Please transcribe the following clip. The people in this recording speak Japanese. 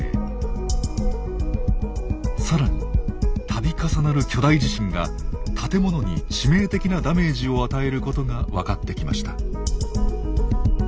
更に度重なる巨大地震が建物に致命的なダメージを与えることが分かってきました。